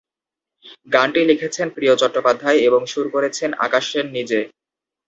গানটি লিখেছেন প্রিয় চট্টোপাধ্যায় এবং সুর করেছেন আকাশ সেন নিজে।